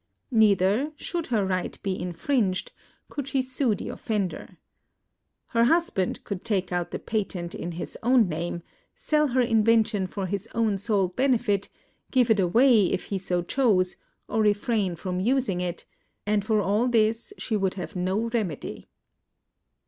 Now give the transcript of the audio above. Neither, should her right be infringed, could she sue the offender. Her husband could take out the patent in his own name, sell her invention for his own sole benefit, give it away if he so chose, or refrain from using it, and for all this she would have no remedy.